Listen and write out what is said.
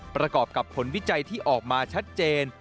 ประกอบกับผลวิจัยที่ออกมาชัดเจน